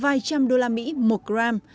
và giá vài trăm đô la mỹ một gram